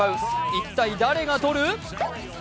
一体、誰がとる？